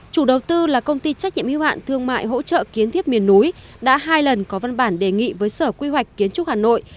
chủ đầu tư là công ty trách nhiệm hiếu hạn thương mại hỗ trợ kiến thiết miền núi đã hai lần có văn bản đề nghị với sở quy hoạch kiến trúc hà nội